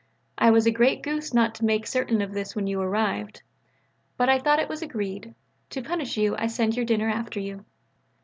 I was a great goose not to make certain of this when you arrived. But I thought it was agreed. To punish you I send your dinner after you.